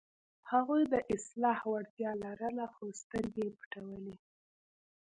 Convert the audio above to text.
هغوی د اصلاح وړتیا لرله، خو سترګې یې پټولې.